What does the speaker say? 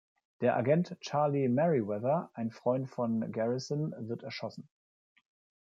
Der Agent Charlie Merriweather, ein Freund von Garrison, wird erschossen.